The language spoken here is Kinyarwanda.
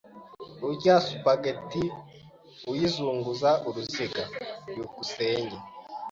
Urya spaghetti uyizunguza uruziga? byukusenge